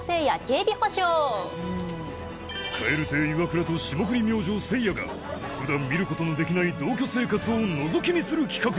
蛙亭イワクラと霜降り明星せいやが普段見る事のできない同居生活をのぞき見する企画だ